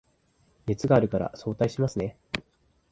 熱があるから早退しますね